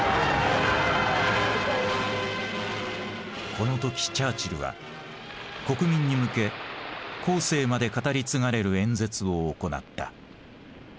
この時チャーチルは国民に向け後世まで語り継がれる演説を行った。